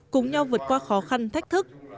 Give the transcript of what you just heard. không vượt qua khó khăn thách thức